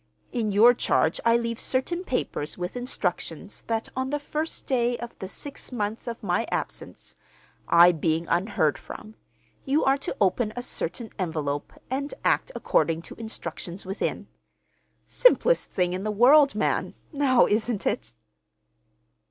In your charge I leave certain papers with instructions that on the first day of the sixth month of my absence (I being unheard from), you are to open a certain envelope and act according to instructions within. Simplest thing in the world, man. Now isn't it?"